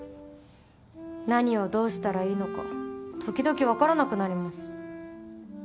何をどうしたらいいのか時々わからなくなります。